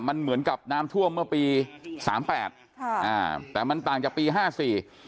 มันเหมือนกับน้ำท่วมเมื่อปีสามแปดค่ะอ่าแต่มันต่างจากปีห้าสี่